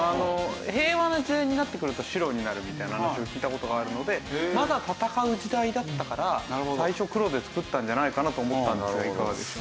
平和な時代になってくると白になるみたいな話を聞いた事があるのでまだ戦う時代だったから最初黒で造ったんじゃないかなと思ったんですがいかがでしょう？